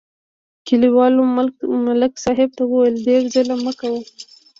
کلیوالو ملک صاحب ته وویل: ډېر ظلم مه کوه.